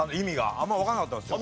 あんまわかんなかったんですよ。